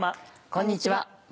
こんにちは。